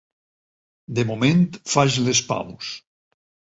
De moment, faig les paus.